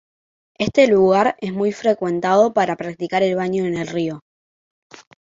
Este lugar es muy frecuentado para practicar el baño en el río.